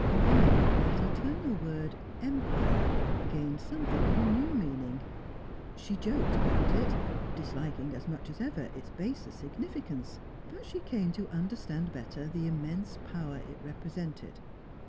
Then, that eternal word "Empire" gained somewhat of a new meaning. She joked about it, disliking as much as ever its baser significance but she came to understand better the immense power it represented.